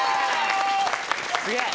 すげえ。